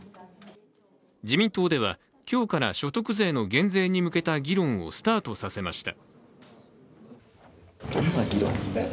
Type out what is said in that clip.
自民党では今日から所得税の減税に向けた議論をスタートさせました。